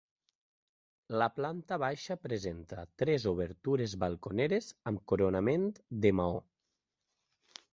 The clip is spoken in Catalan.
La planta baixa presenta tres obertures balconeres amb coronament de maó.